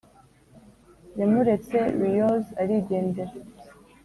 yamuretse reose arigendera